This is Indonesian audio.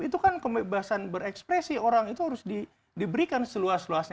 itu kan kebebasan berekspresi orang itu harus diberikan seluas luasnya